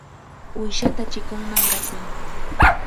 ¡Uyshata chikunman qatiy!